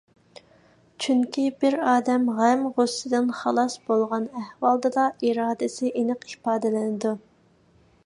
چۈنكى، بىر ئادەم غەم ـ غۇسسىدىن خالاس بولغان ئەھۋالدىلا ئىرادىسى ئېنىق ئىپادىلىنىدۇ.